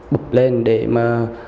bụt lên để mà